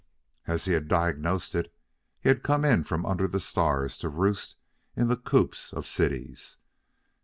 As he had diagnosed it, he had come in from under the stars to roost in the coops of cities.